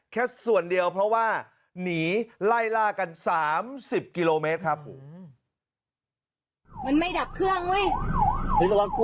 แค่ส่วนเดียวเพราะว่าหนีไล่ล่ากัน๓๐กิโลเมตรครับ